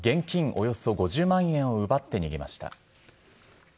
およそ５０万円を奪って逃げました。